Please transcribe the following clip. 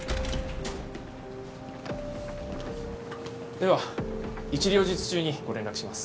では一両日中にご連絡します。